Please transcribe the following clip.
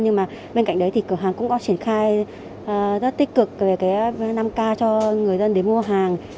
nhưng mà bên cạnh đấy thì cửa hàng cũng có triển khai rất tích cực về cái năm k cho người dân đến mua hàng